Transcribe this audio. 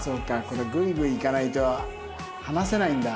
これグイグイいかないと話せないんだ。